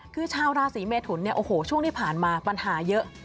คือชาวราศีเมฑุร์นช่วงที่ผ่านมาปัญหาเยอะ